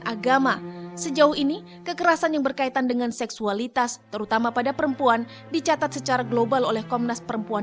saya menolak saya tegas saya jawab saya tidak mau